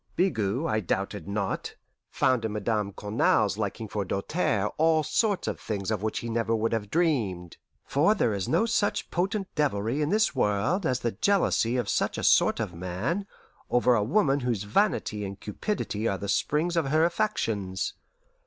Bigot, I doubted not, found in Madame Cournal's liking for Doltaire all sorts of things of which he never would have dreamed; for there is no such potent devilry in this world as the jealousy of such a sort of man over a woman whose vanity and cupidity are the springs of her affections.